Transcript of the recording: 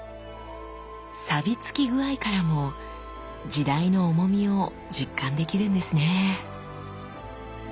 サビつき具合からも時代の重みを実感できるんですねぇ。